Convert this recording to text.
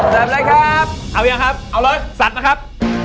แสดงอะไรครับเอาหรือยังครับเอาเลยสัดนะครับ